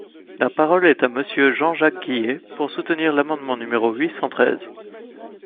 La parole est à Monsieur Jean-Jacques Guillet, pour soutenir l’amendement numéro huit cent treize.